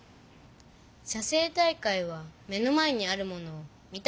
写生大会は目の前にあるものを見た